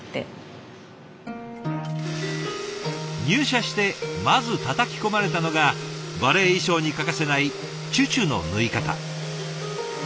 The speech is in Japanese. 入社してまずたたき込まれたのがバレエ衣裳に欠かせないチュチュの縫い方。